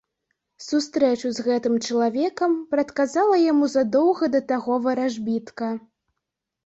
Сустрэчу з гэтым чалавекам прадказала яму задоўга да таго варажбітка.